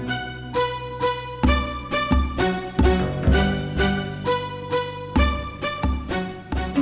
sering ke kebun